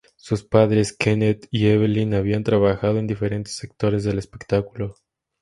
Sus padres, Kenneth y Evelyn, habían trabajado en diferentes sectores del espectáculo.